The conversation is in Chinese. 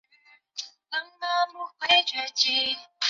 日本围棋故事